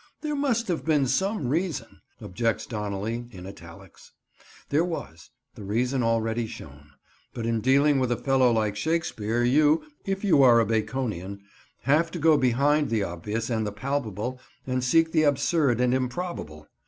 "There must have been some reason," objects Donnelly, in italics. There was; the reason already shown. But in dealing with a fellow like Shakespeare you—if you are a Baconian—have to go behind the obvious and the palpable and seek the absurd and improbable.